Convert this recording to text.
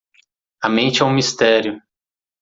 A mente é um mistério.